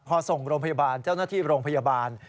พอส่งโรงพยาบาลเจ้าหน้าที่โรงพยาบาล